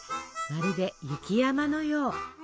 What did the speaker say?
まるで雪山のよう。